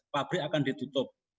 pabrik akan ditutup